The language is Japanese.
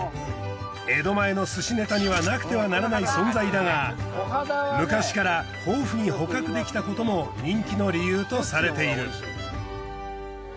江戸前の寿司ネタにはなくてはならない存在だが昔から豊富に捕獲できたことも人気の理由とされている。